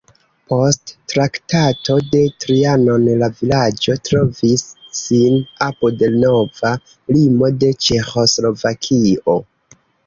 Post Traktato de Trianon la vilaĝo trovis sin apud nova limo de Ĉeĥoslovakio.